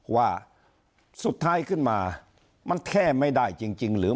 ว่าสุดท้ายขึ้นมามันแค่ไม่ได้จริงหรือ